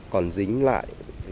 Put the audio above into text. còn dính lại